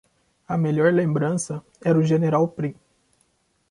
A melhor lembrança era o General Prim.